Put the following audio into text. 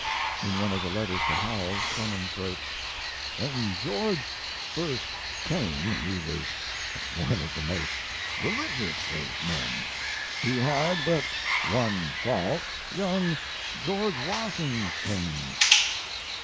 In one of the letters to Howells, Clemens wrote: When George first came he was one of the most religious of men. He had but one fault young George Washington's.